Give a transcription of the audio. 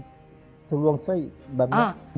จริงเป็นผ้อนสวรรค์ที